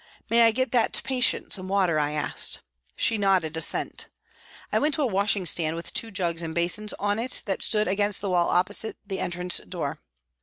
" May I get that patient some water ?" I asked. She nodded assent. I went to a washing stand with two jugs and basins on it that stood against the wall opposite the entrance door.